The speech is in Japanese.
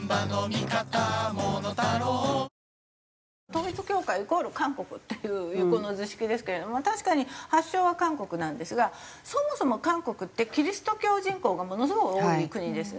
統一教会イコール韓国っていうこの図式ですけれども確かに発祥は韓国なんですがそもそも韓国ってキリスト教人口がものすごい多い国です。